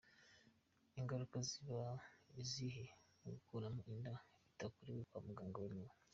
Ingaruka ziba izihe ku gukuramo inda bitakorewe kwa muganga wemewe .